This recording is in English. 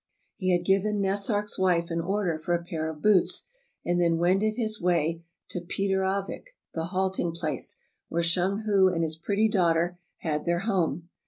He had given Nessark's wife an order for a pair of boots, and then wended his way to Peter avik (the halting place), where Shung hu and his pretty daughter had their home.